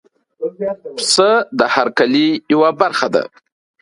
پسه د هر کلي یو برخه ده.